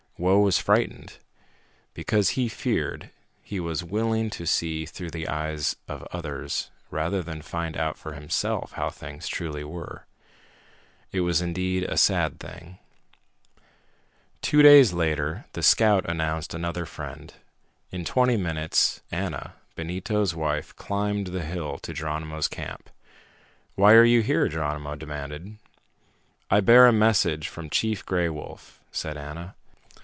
Whoa was frightened. Because he feared, he was willing to see through the eyes of others rather than find out for himself how things truly were. It was indeed a sad thing. Two days later the scout announced another friend. In twenty minutes, Ana, Benito's wife, climbed the hill to Geronimo's camp. "Why are you here?" Geronimo demanded. "I bear a message from Chief Gray Wolf," said Ana.